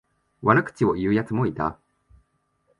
悪口を言うやつもいた。